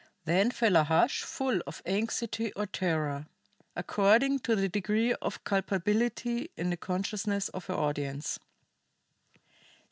Then fell a hush full of anxiety or terror, according to the degree of culpability in the consciousness of her audience.